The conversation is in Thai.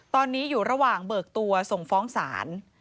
ตอนนี้อยู่ระหว่างเบิกตัวส่งฟ้องศาล